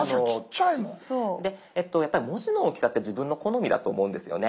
やっぱり文字の大きさって自分の好みだと思うんですよね。